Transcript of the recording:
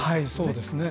そうですね。